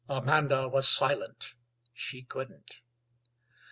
Amanda was silent. She couldn't.